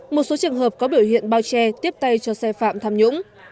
một số trường hợp có biểu hiện bao che tiếp tay cho xe phạm tham nhũng